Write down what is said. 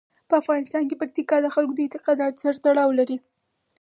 په افغانستان کې پکتیکا د خلکو د اعتقاداتو سره تړاو لري.